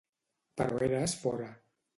Però eres fora.